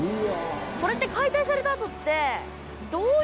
これって解体されたあとって。